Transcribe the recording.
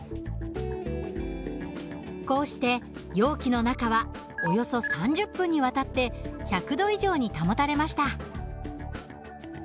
こうして容器の中はおよそ３０分にわたって１００度以上に保たれました。